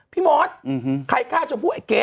พี่มอสใครฆ่าชมพูไอ้เก๊ส